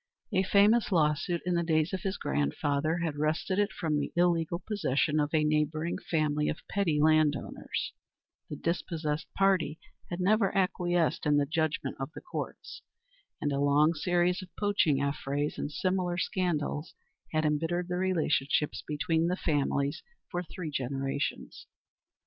A famous law suit, in the days of his grandfather, had wrested it from the illegal possession of a neighbouring family of petty landowners; the dispossessed party had never acquiesced in the judgment of the Courts, and a long series of poaching affrays and similar scandals had embittered the relationships between the families for three generations.